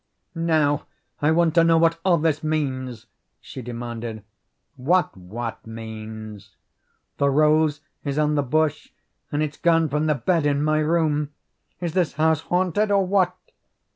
"Now I want to know what all this means?" she demanded. "What what means?" "The rose is on the bush, and it's gone from the bed in my room! Is this house haunted, or what?"